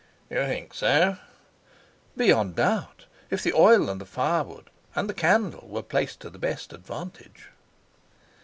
"You think so?" "Beyond doubt, if the oil and the firewood and the candle were placed to the best advantage."